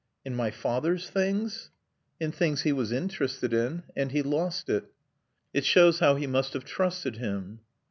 "In my father's things?" "In things he was interested in. And he lost it." "It shows how he must have trusted him."